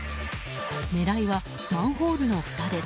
狙いはマンホールのふたです。